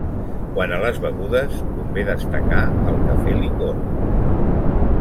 Quant a les begudes, convé destacar el Café-Licor.